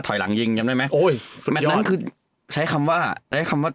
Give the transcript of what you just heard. หลังยิงจำได้ไหมโอ้ยตอนนั้นคือใช้คำว่าใช้คำว่า